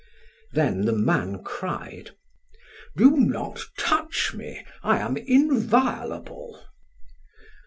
Then the man cried: "Do not touch me. I am inviolable."